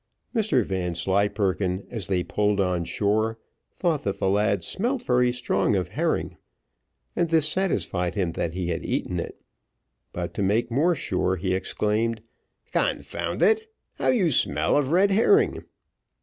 Mr Vanslyperken, as they pulled on shore, thought that the lad smelt very strong of herring, and this satisfied him that he had eaten it; but to make more sure, he exclaimed, "Confound it, how you smell of red herring!"